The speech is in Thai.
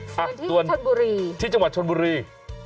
อ่ะส่วนชนบุรีที่จังหวัดชนบุรี